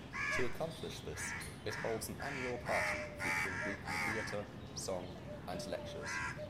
To accomplish this, it holds an annual party featuring Breton theatre, song, and lectures.